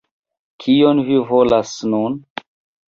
Kion vi volas nun?